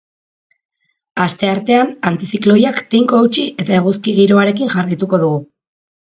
Asteartean, antizikloiak tinko eutsi eta eguzki giroarekin jarraituko dugu.